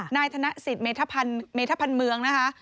นายธนสิทธิเมธพันธ์เมืองนะคะ